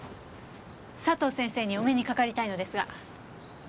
佐藤先生にお目にかかりたいのですが。